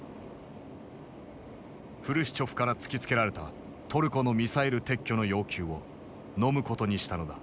フルシチョフから突きつけられたトルコのミサイル撤去の要求をのむことにしたのだ。